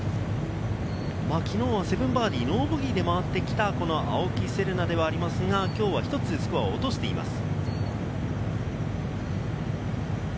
きのうは７バーディー、ノーボギーで回ってきた青木瀬令奈ではありますが、きょうは１つスコアを落としています。